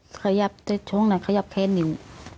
ขยับแต่ช่วงนั้นขยับแค่นิ้ว